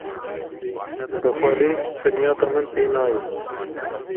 Bi xwedê qinyeta min pê nayê.